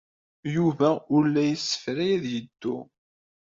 Yuba ur la yessefray ad yeddu.